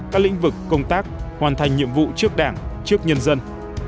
các lĩnh vực công tác hoàn thành nhiệm vụ trước đảng trước nhân dân